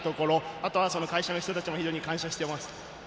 あとは会社の人たちにも感謝しています。